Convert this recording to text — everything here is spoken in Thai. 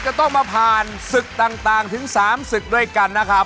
จะต้องมาผ่านศึกต่างถึง๓ศึกด้วยกันนะครับ